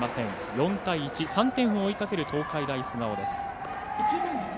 ４対１３点を追いかける東海大菅生。